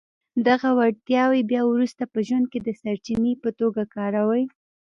دغه وړتياوې بيا وروسته په ژوند کې د سرچینې په توګه کاروئ.